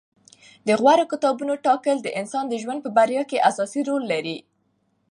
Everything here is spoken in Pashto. د غوره کتابونو ټاکل د انسان د ژوند په بریا کې اساسي رول لري.